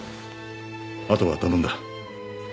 あとは頼んだ。